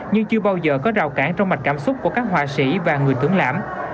nhưng chưa bao giờ có rào cản trong mạch cảm xúc của các họa sĩ và người tướng lãm